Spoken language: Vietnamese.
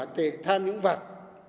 tệ tham nhũng vặt